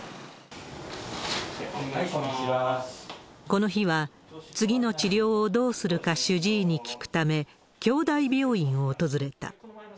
この日は、次の治療をどうするか主治医に聞くため、京大病院を訪れた。